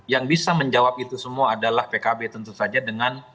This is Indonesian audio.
yang bisa menjawab itu semua adalah pkb tentu saja dengan